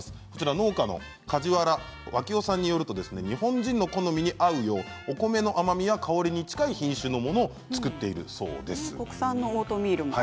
農家の梶原和亀男さんによると日本人の好みに合うようお米の甘みや香りに近い品種のものを作っているそうです。